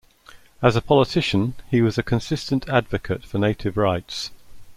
As a politician, he was a consistent advocate for native rights.